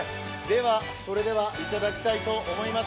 それでは、いただきたいと思います。